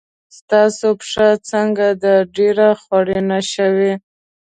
ستاسې پښه څنګه ده؟ ډېره خوړینه شوې.